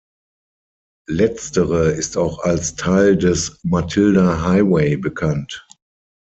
Letztere ist auch als Teil des Matilda Highway bekannt.